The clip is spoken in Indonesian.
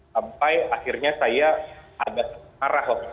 sampai akhirnya saya ada arah